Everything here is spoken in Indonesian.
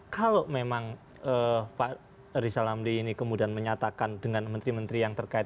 kalau memang pak rizal amli ini kemudian menyatakan dengan menteri menteri yang terkait